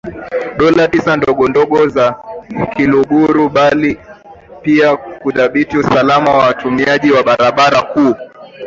Dola Tisa ndogondogo za Kiluguru bali pia kudhibiti usalama wa watumiaji wa barabara kuu